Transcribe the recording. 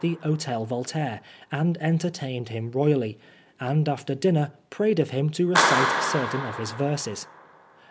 Oscar Wilde Hotel Voltaire, and entertained him royally, and after dinner prayed of him to recite certain of his verses.